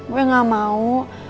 gue gak mau